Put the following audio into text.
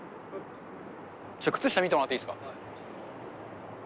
ちょっと靴下見てもらっていいですか。